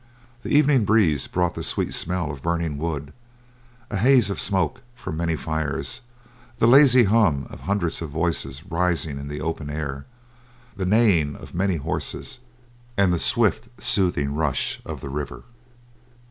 The evening breeze brought the sweet smell of burning wood, a haze of smoke from many fires, the lazy hum of hundreds of voices rising in the open air, the neighing of many horses, and the swift soothing rush of the river.